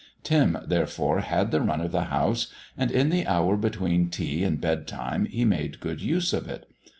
Tim, therefore, had the run of the house, and in the hour between tea and bed time he made good use of it.